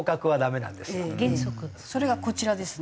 それがこちらですね。